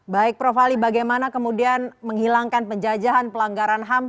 baik prof ali bagaimana kemudian menghilangkan penjajahan pelanggaran ham